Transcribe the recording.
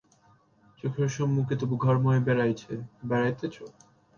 চোখের সম্মুখে তবু ঘরময় বেড়াইতেছ।